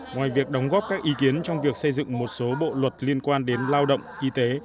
ngoài việc đóng góp các ý kiến trong việc xây dựng một số bộ luật liên quan đến lao động y tế